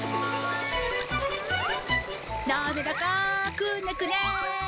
なめらかくねくね。